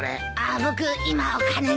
僕今お金が。